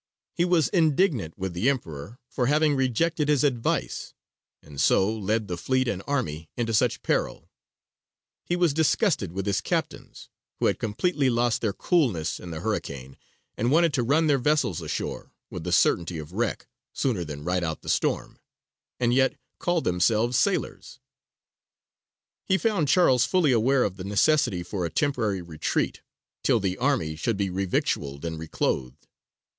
He was indignant with the Emperor for having rejected his advice and so led the fleet and army into such peril; he was disgusted with his captains, who had completely lost their coolness in the hurricane, and wanted to run their vessels ashore, with the certainty of wreck, sooner than ride out the storm and yet called themselves sailors! He found Charles fully aware of the necessity for a temporary retreat, till the army should be revictualled and reclothed.